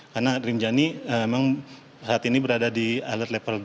karena rinjani memang saat ini berada di alert level dua